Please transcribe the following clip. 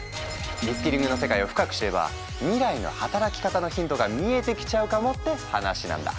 リスキリングの世界を深く知れば未来の働き方のヒントが見えてきちゃうかもって話なんだ。